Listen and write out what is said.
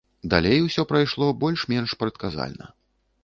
Далей усё прайшло больш-менш прадказальна.